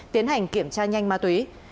tiến hành kiểm tra nhanh ma túy